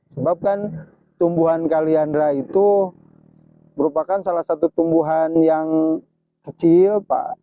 sebabkan tumbuhan kaliandra itu merupakan salah satu tumbuhan yang kecil pak